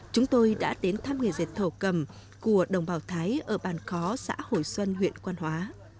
chúng tôi đã đến thăm nghề dệt thổ cầm của đồng bào thái ở bàn khó xã hồi xuân huyện quan hóa